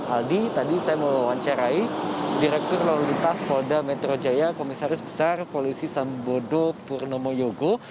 aldi tadi saya mewawancarai direktur lalu lintas polda metro jaya komisaris besar polisi sambodo purnomo yogo